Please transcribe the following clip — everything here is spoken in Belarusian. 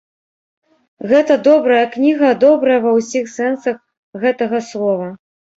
Гэта добрая кніга, добрая ва ўсіх сэнсах гэтага слова.